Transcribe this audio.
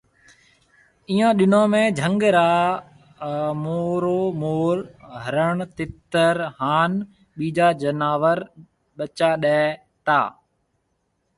ايون ڏنون ۾ جھنگ را مرو مور، ھرڻ، تِيتر ھان ٻيجا جناور ٻچا ڏَي تا